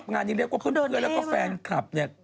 งานนี้เรียกว่าเค้าเดินเพื่อนแล้วก็แฟนคลับ